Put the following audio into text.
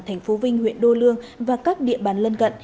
thành phố vinh huyện đô lương và các địa bàn lân cận